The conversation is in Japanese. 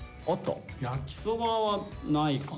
焼きそばはないかな。